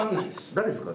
誰ですか？